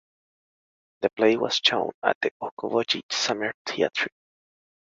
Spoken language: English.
The play was shown at the Okoboji Summer Theatre.